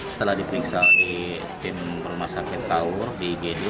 setelah dipiksa di tim rumah sakit kaur di gede